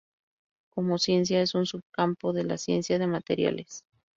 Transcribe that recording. Como ciencia es un subcampo de la ciencia de materiales.